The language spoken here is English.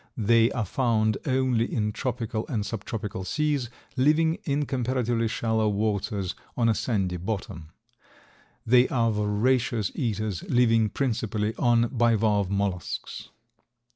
They are found only in tropical and subtropical seas, living in comparatively shallow waters on a sandy bottom. They are voracious eaters, living principally on bivalve mollusks.